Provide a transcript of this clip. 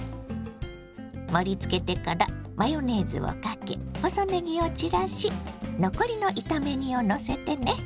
盛りつけてからマヨネーズをかけ細ねぎを散らし残りの炒め煮をのせてね。